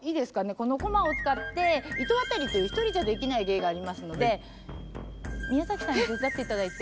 このこまを使って糸渡りという１人じゃできない芸がありますので宮崎さんに手伝っていただいて。